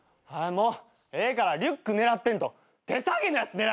ええからリュック狙ってんと手提げのやつ狙え。